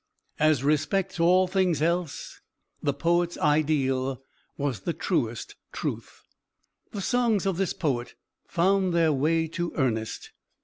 As respects all things else, the poet's ideal was the truest truth. The songs of this poet found their way to Ernest.